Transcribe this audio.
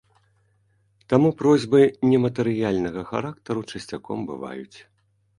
Таму просьбы нематэрыяльнага характару часцяком бываюць.